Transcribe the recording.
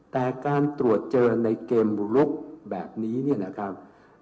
แต่การตรวจเจอในเกมบุกลุกแบบนี้เนี่ยนะครับ